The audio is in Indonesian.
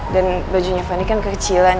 dan bajunya fani kan kekecilan